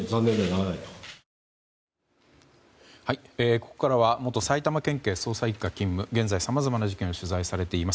ここからは元埼玉県警捜査１課勤務現在、さまざまな事件を取材されています